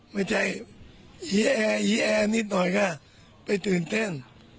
ไม่ใช่อีแอร์อีแอร์นิดหน่อยค่ะไปตื่นเต้น